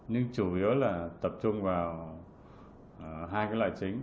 nhưng chủ yếu là tập trung vào hai cái loại chính